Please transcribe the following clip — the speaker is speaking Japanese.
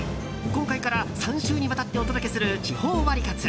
今回から３週にわたってお届けする地方ワリカツ。